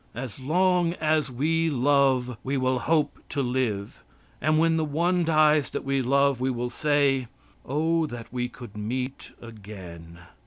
As long as we love we will hope to live, and when the one dies that we love, we will say: "Oh, that we could meet again!"